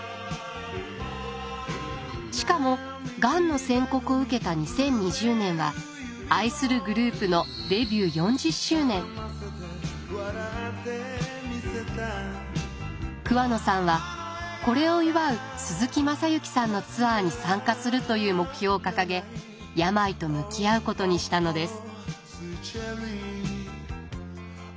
しかもがんの宣告を受けた２０２０年は愛するグループの桑野さんはこれを祝う鈴木雅之さんのツアーに参加するという目標を掲げ病と向き合うことにしたのです。